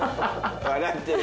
笑ってる。